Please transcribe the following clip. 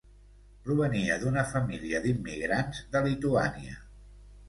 Provenia d'una família d'immigrants de Lituània.